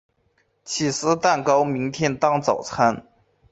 起司蛋糕明天当早餐